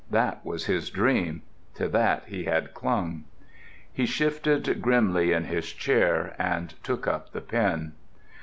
That was his dream. To that he had clung. He shifted grimly in his chair, and took up the pen.